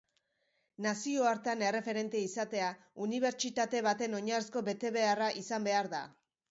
Nazioartean erreferente izatea unibertsitate baten oinarrizko betebeharra izan behar da.